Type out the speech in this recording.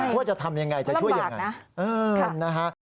ว่าจะทำอย่างไรจะช่วยอย่างไรนะครับ